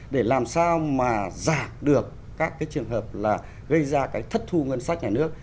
để làm sao mà giảm được các cái trường hợp là gây ra cái thất thu ngân sách nhà nước